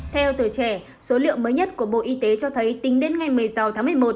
theo tuổi trẻ số liệu mới nhất của bộ y tế cho thấy tính đến ngày một mươi sáu tháng một mươi một